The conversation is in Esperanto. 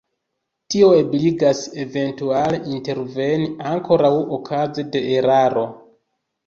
Tio ebligas eventuale interveni ankoraŭ okaze de eraro.